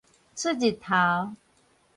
出日頭